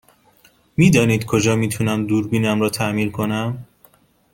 می دانید کجا می تونم دوربینم را تعمیر کنم؟